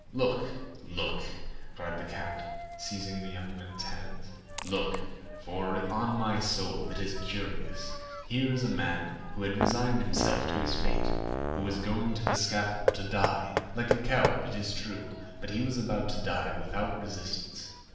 "Look, look," cried the count, seizing the young men's hands; "look, for on my soul it is curious. Here is a man who had resigned himself to his fate, who was going to the scaffold to die—like a coward, it is true, but he was about to die without resistance.